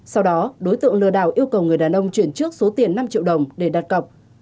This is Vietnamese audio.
sau đó đối tượng lừa đảo yêu cầu người đàn ông chuyển trước số tiền năm triệu đồng để đặt cọc